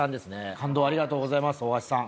感動をありがとうございます大橋さん。